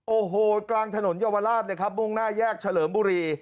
โอ้โหกลางถนนเยาวราชเลยครับมุ่งหน้าแยกเฉลิมบุรี